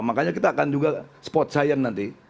makanya kita akan juga sport science nanti